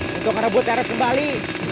kita mau ke arah buat eros kembali